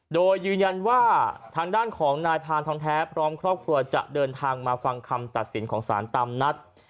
โดยยืนยันว่าทางด้านของนายพานทองแท้พร้อมครอบครัวจะเดินทางมาฟังคำตัดสินของสารตามนัด